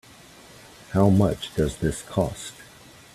How much does this cost?